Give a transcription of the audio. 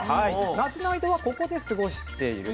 夏の間はここで過ごしている。